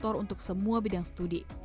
kotor untuk semua bidang studi